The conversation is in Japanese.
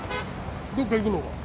どっか行くのか？